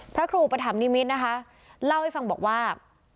พระครูปธรรมนิมิตรนะคะเล่าให้ฟังบอกว่า